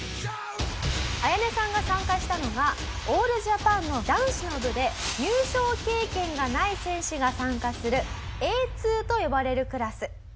アヤネさんが参加したのはオールジャパンの男子の部で入賞経験がない選手が参加するＡ−２と呼ばれるクラス。